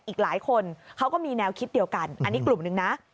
อีกหลายคนเขาก็มีแนวคิดเดียวกันอันนี้กลุ่มหนึ่งนะ